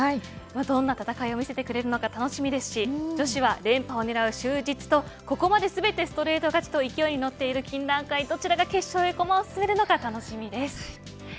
どんな戦いを見せてくるのか楽しみですし女子は連覇を狙う就実とここまで全てストレート勝ちと勢いに乗っている金蘭会どちらが決勝に進むのか楽しみです。